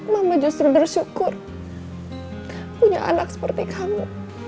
mama justru bersyukur punya anak seperti kamu